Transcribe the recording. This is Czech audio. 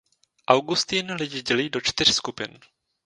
Augustin lidi dělí do čtyř skupin.